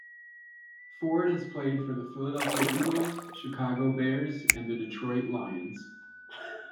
Ford has also played for the Philadelphia Eagles, Chicago Bears and the Detroit Lions.